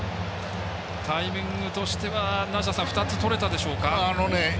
タイミングとしては２つとれたでしょうか。